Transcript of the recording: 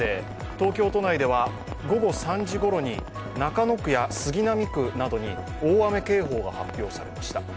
東京都内では午後３時ごろに、中野区や杉並区などに大雨警報が発表されました。